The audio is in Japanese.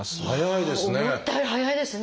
早いですね。